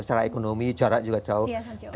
secara ekonomi jarak juga jauh